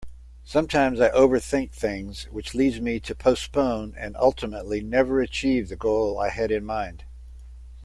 Sometimes I overthink things which leads me to postpone and ultimately never achieve the goal I had in mind.